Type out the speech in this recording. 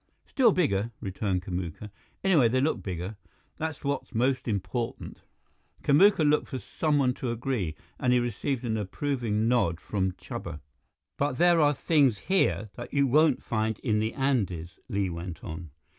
"Still bigger," returned Kamuka. "Anyway, they look bigger. That's what's most important." Kamuka looked for someone to agree, and he received an approving nod from Chuba. "But there are things here that you won't find in the Andes," Li went on.